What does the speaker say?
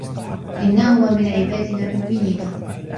إِنَّهُما مِن عِبادِنَا المُؤمِنينَ